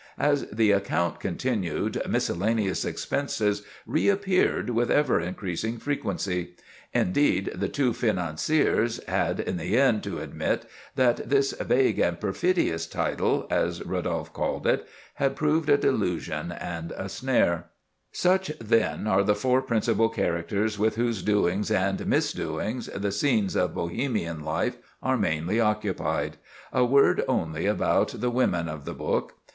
As the account continued, "miscellaneous expenses" reappeared with ever increasing frequency; indeed, the two financiers had in the end to admit that this "vague and perfidious title," as Rodolphe called it, had proved a delusion and a snare. Such, then, are the four principal characters with whose doings and misdoings the "Scenes of Bohemian Life" are mainly occupied. A word only about the women of the book.